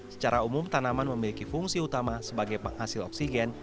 secara umum tanaman memiliki fungsi utama sebagai penghasil oksigen